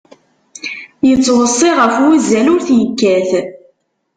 Yettweṣṣi ɣef wuzzal ur t-yekkat.